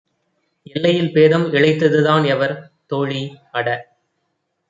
எல்லையில் பேதம் இழைத்தது தான் எவர்? தோழி - அட